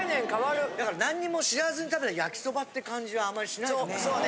だから何も知らずに食べたら焼きそばって感じはあまりしないね。